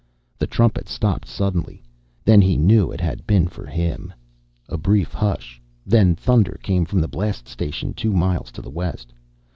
The trumpet stopped suddenly. Then he knew it had been for him. A brief hush then thunder came from the blast station two miles to the west.